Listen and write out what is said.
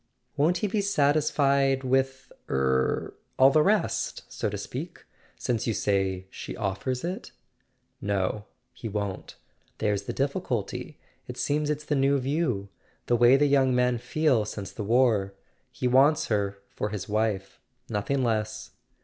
"Won't he be satisfied with—er—all the rest, so to speak; since you say she offers it?" "No; he won't. There's the difficulty. It seems it's [ 350 ] A SON AT THE FRONT the new view. The way the young men feel since the war. He wants her for his wife. Nothing less."